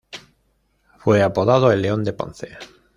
Fue apodado "El león de Ponce".